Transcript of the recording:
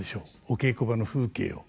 お稽古場の風景を。